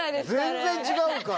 全然違うから。